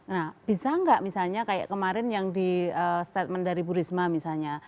nah bisa nggak misalnya kayak kemarin yang di statement dari bu risma misalnya